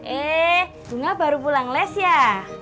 eh bunga baru pulang les ya